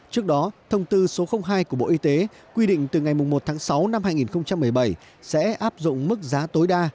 trước đó thông tư số hai của bộ y tế quy định từ ngày một tháng sáu năm hai nghìn một mươi bảy sẽ áp dụng mức giá tối đa